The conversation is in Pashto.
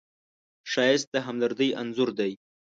ښایست د همدردۍ انځور دی